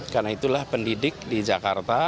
karena itulah pendidik di jakarta